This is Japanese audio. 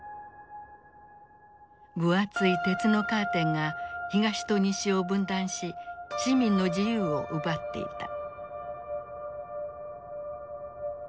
分厚い鉄のカーテンが東と西を分断し市民の自由を奪っていた。